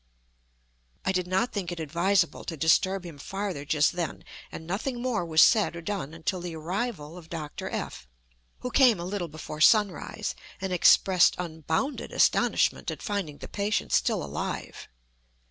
I did not think it advisable to disturb him farther just then, and nothing more was said or done until the arrival of Dr. F——, who came a little before sunrise, and expressed unbounded astonishment at finding the patient still alive.